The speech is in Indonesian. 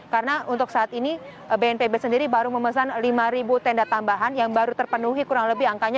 karena untuk saat ini bnpb sendiri baru memesan lima tenda tambahan yang baru terpenuhi kurang lebih angkanya dua